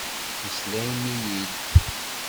Meslayem-iyi-d!